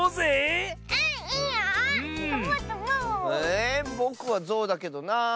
えぼくはゾウだけどなあ。